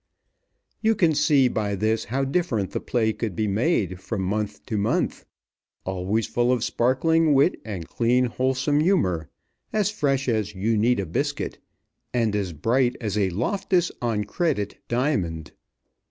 You can see by this how different the play could be made from month to month. Always full of sparkling wit and clean, wholesome humor as fresh as Uneeda Biscuit, and as bright as a Loftis on credit diamond.